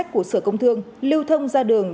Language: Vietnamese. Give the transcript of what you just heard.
của sở công thương lưu thông ra đường